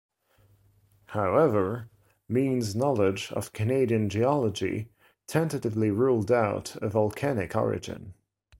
However, Meen's knowledge of Canadian geology tentatively ruled out a volcanic origin.